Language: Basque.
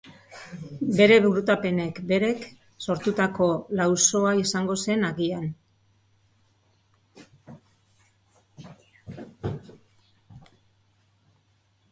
Bere burutapenek berek sortutako lausoa izango zen agian.